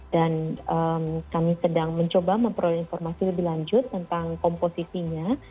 dan kami sedang mencoba memperoleh informasi lebih lanjut tentang komposisinya